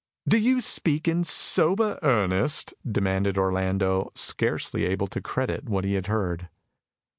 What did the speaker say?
"Do you speak in sober earnest?" demanded Orlando, scarcely able to credit what he heard.